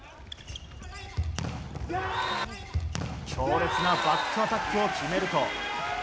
強烈なバックアタックを決めると